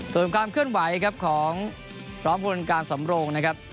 ส่วนความเคลื่อนไหวครับของพร้อมพลการสำโรงนะครับ